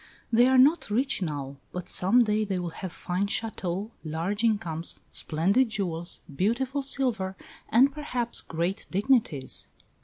"They are not rich now; but some day they will have fine châteaux, large incomes, splendid jewels, beautiful silver, and perhaps great dignities."